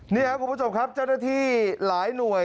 นี่ครับคุณผู้ชมครับเจ้าหน้าที่หลายหน่วย